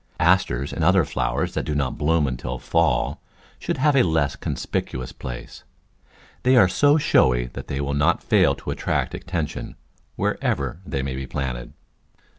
Asters and other flowers that do not bloom until fall should have a less conspicuous place; they are so showy that they will not fail to attract attention, wherever they may be planted.